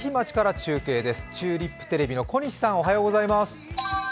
チューリップテレビの小西さん、おはようございます。